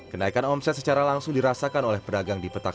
kenaikan omset secara langsung dirasakan oleh pedagang di petak